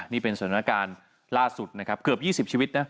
นี่เป็นสถานการณ์ล่าสุดนะครับเกือบ๒๐ชีวิตนะ